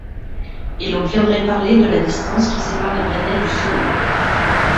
Et l’on viendrait parler de la distance qui sépare les planètes du Soleil!